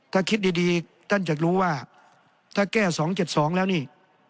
ถ้าคิดดีท่านจะรู้ว่าถ้าแก้๒๗๒แล้วนี่